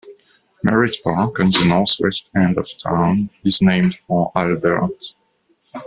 Merritt Park on the northwest end of town is named for Albert.